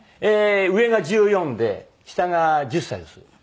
上が１４で下が１０歳です。